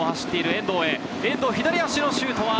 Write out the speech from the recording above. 遠藤、左足のシュート！